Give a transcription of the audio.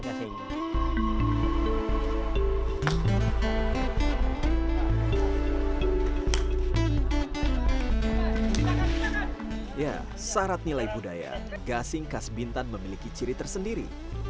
ya syarat nilai budaya gasing khas bintan memiliki ciri tersendiri